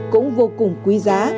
cũng vô cùng quý giá